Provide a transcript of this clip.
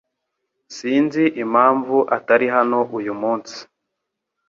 Sinzi impamvu atari hano uyu munsi.